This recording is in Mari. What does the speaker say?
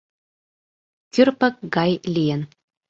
Кӱрпык гай лийын.